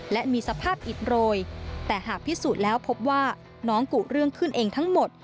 และมีสภาพอิดโรยแต่หากพิสูจน์แล้วพบว่าน้องกุเรื่องขึ้นเองทั้งหมด